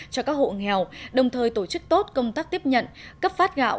cho các hộ nghèo đồng thời tổ chức tốt công tác tiếp nhận cấp phát gạo